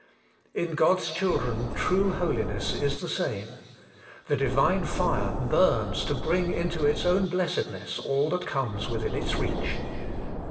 In God's children true holiness is the same ; the Divine fire burns to bring into its own HOLY AND BLAMELESS. 223 blessedness all that comes within its reach.